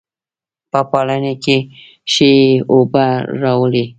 پۀ بالټي کښې ئې اوبۀ راوړې ـ